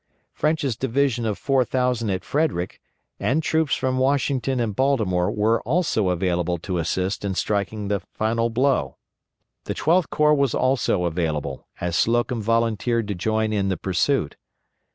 French's division of 4,000 at Frederick, and troops from Washington and Baltimore were also available to assist in striking the final blow. The Twelfth Corps was also available, as Slocum volunteered to join in the pursuit.